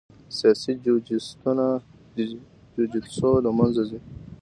سیاسي جوجیتسو له منځه ځي.